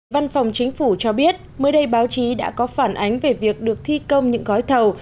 văn phòng chính phủ cho biết mới đây báo chí đã có phản ánh về việc được thi công những gói thầu